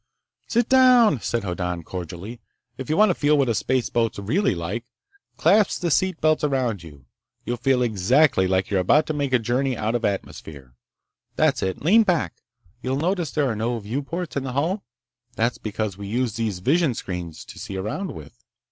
"Sit down!" said Hoddan cordially. "If you want to feel what a spaceboat's really like, clasp the seat belts around you. You'll feel exactly like you're about to make a journey out of atmosphere. That's it. Lean back. You notice there are no viewports in the hull? That's because we use these visionscreens to see around with."